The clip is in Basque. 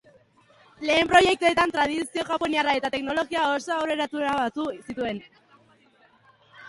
Lehen proiektuetan tradizio japoniarra eta teknologia oso aurreratua batu zituen.